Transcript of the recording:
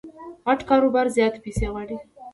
غټ کاروبار زیاتي پیسې غواړي.